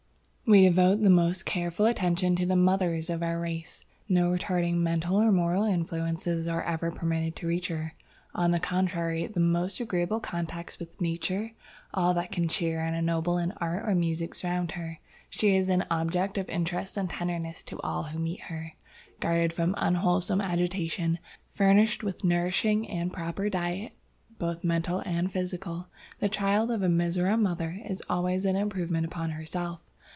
"We devote the most careful attention to the Mothers of our race. No retarding mental or moral influences are ever permitted to reach her. On the contrary, the most agreeable contacts with nature, all that can cheer and ennoble in art or music surround her. She is an object of interest and tenderness to all who meet her. Guarded from unwholesome agitation, furnished with nourishing and proper diet both mental and physical the child of a Mizora mother is always an improvement upon herself.